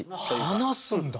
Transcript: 離すんだ。